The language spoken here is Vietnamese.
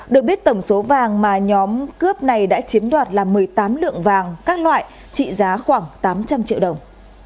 được biết tổng số vàng mà nhóm cướp này đã chiếm đoạt là một mươi tám lượng vàng các loại trị giá khoảng tám trăm linh triệu đồng